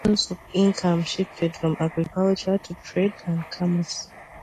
The main source of income shifted from agriculture to trade and commerce.